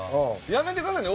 やめてくださいね。